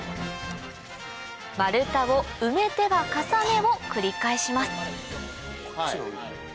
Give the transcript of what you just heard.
丸太を埋めては重ねを繰り返しますそう